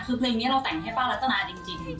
คือเพลงนี้เราแต่งให้ป้ารัตนาจริง